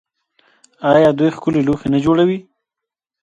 آیا دوی ښکلي لوښي نه جوړوي؟